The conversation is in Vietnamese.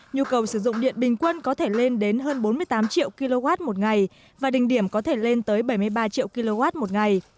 nhu cầu sử dụng điện bình quân có thể lên đến hơn bốn mươi tám triệu kw một ngày và đình điểm có thể lên tới bảy mươi ba triệu kw một ngày